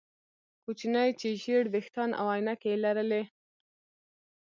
کوچنی چې ژیړ ویښتان او عینکې یې لرلې